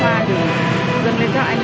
thì rất là thương thiết các anh